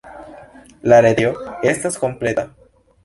La retejo estas kompleta.